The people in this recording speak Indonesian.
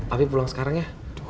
afif pulang sekarang ya